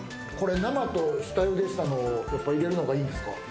生と下ゆでしたのをやっぱ入れるのがいいんですか？